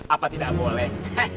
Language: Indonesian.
apa tidak boleh